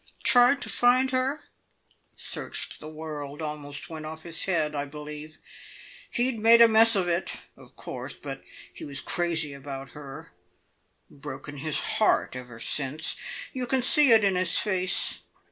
"Tried to find her? Searched the world! Almost went off his head, I believe. He'd made a mess of it, of course, but he was crazy about her broken his heart ever since. You can see it in his face.